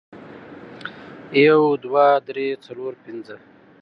یو، دوه، درې، څلور، پنځه